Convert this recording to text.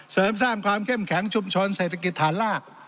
เสริมสร้างความเข้มแข็งชุมชนเศรษฐกิจฐานลาก